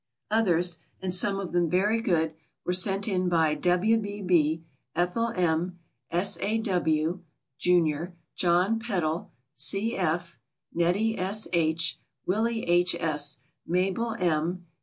Others, and some of them very good, were sent in by W. B. B., Ethel M., S. A. W., Jun., John Peddle, C. F., Nettie S. H., Willie H. S., Mabel M.